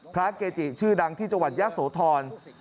พระเกจิชื่อดังที่จังหวัดยักษ์โสธร